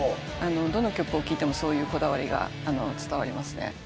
どの曲を聴いてもそういうこだわりが伝わります。